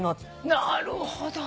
なるほどね。